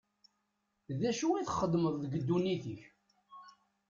D acu i txeddmeḍ deg ddunit-k?